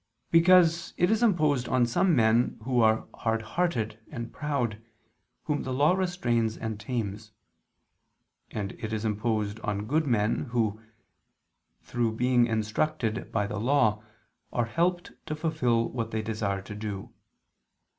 Because it is imposed on some men who are hard hearted and proud, whom the law restrains and tames: and it is imposed on good men, who, through being instructed by the law, are helped to fulfil what they desire to do.